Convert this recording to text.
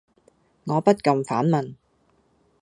我不禁反問